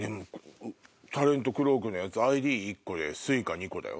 タレントクロークのやつｉＤ１個でＳｕｉｃａ２個だよ。